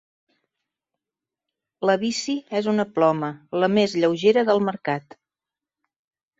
La bici és una ploma, la més lleugera del mercat.